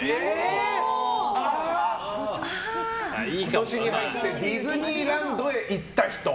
今年に入ってディズニーランドへ行った人。